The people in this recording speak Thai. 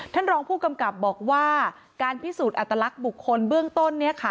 ท่านรองผู้กำกับบอกว่าการพิสูจน์อัตลักษณ์บุคคลเบื้องต้น